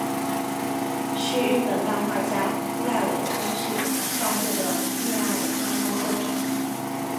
是日本漫画家濑尾公治创作的恋爱漫画作品。